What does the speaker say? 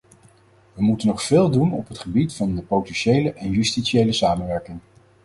We moeten nog veel doen op het gebied van de politiële en justitiële samenwerking.